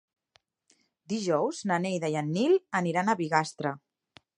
Dijous na Neida i en Nil aniran a Bigastre.